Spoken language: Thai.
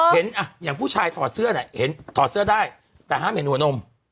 เห็นอย่างผู้ชายถอดเสื้อถอดเสื้อได้แต่ห้ามเห็นหัวนม